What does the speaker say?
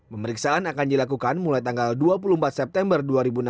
pemeriksaan akan dilakukan mulai tanggal dua puluh empat september dua ribu enam belas